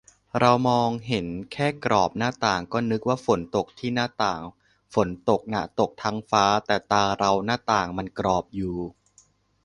เรามองเห็นแค่กรอบหน้าต่าง ก็นึกว่าฝนตกที่หน้าต่าง ฝนตกน่ะตกทั้งฟ้า แต่ตาเราหน้าต่างมันกรอบอยู่